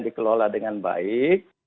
dikelola dengan baik